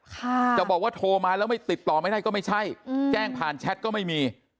จะบอกว่าโทรมาแล้วไม่ติดต่อไม่ได้ก็ไม่ใช่แจ้งผ่านแชทก็ไม่มี